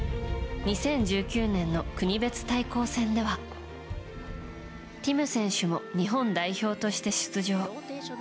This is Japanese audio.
２０１９年の国別対抗戦ではティム選手も日本代表として出場。